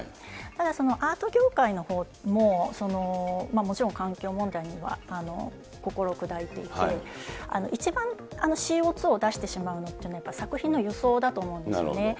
ただ、アート業界のほうも、もちろん環境問題には心砕いていて、一番ＣＯ２を出してしまうというのは、作品の輸送だと思うんですよね。